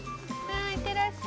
ああいってらっしゃい。